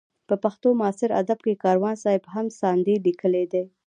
په پښتو معاصر ادب کې کاروان صاحب هم ساندې لیکلې دي.